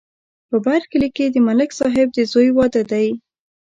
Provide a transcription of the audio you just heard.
په بر کلي کې د ملک صاحب د زوی واده دی.